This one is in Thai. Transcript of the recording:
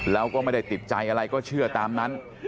แล้วก็ไม่ได้ติดใจอะไรก็เชื่อตามนั้น